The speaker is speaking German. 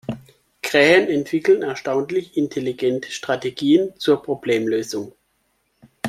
Krähen entwickeln erstaunlich intelligente Strategien zur Problemlösung.